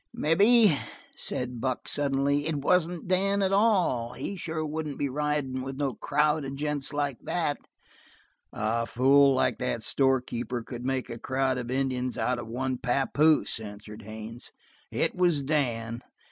"Maybe," said Buck suddenly, "it wasn't Dan at all. He sure wouldn't be ridin' with no crowd of gents like that." "A fool like that store keeper could make a crowd of Indians out of one papoose," answered Haines. "It was Dan.